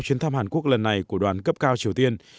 chuyến thăm hàn quốc lần này của đoàn cấp cao triều tiên